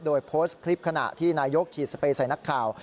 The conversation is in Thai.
โดยโพสต์คลิปขณะที่นายกฉีดสเปรย์ใส่นักข่าว